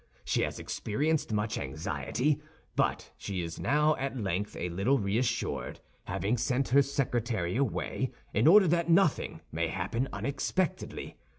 She has experienced much anxiety; but she is now at length a little reassured, having sent her secretary away in order that nothing may happen unexpectedly.